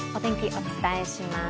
お伝えします。